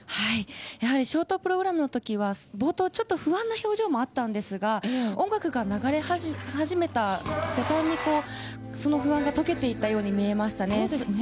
やはりショートプログラムのときは冒頭、不安な表情もあったんですが音楽が流れ始めたら、途端にその不安が溶けていったように見えました。